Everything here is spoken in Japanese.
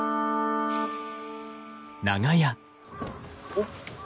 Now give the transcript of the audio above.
おっ。